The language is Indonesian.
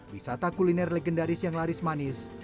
wisata kuliner legendaris yang laris manis